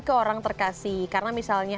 ke orang terkasih karena misalnya